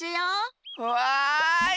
わい！